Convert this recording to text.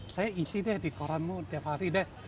saya isi deh di koranmu tiap hari deh